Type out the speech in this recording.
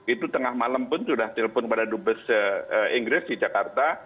itu tengah malam pun sudah telepon kepada dupes inggris di jakarta